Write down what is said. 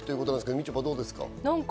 みちょぱ、どうですか？